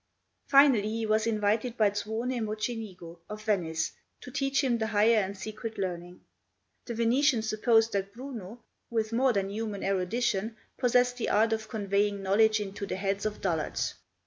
Finally he was invited by Zuone Mocenigo of Venice to teach him the higher and secret learning. The Venetian supposed that Bruno, with more than human erudition, possessed the art of conveying knowledge into the heads of dullards.